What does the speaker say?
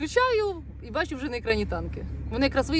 saya mencoba dan melihat tank yang terakhir